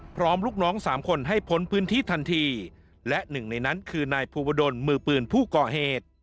ลูกน้องสามคนให้พ้นพื้นที่ทันทีและหนึ่งในนั้นคือนายภูวดลมือปืนผู้ก่อเหตุ